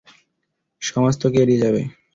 সমাজ তোকে এড়িয়ে যাবে।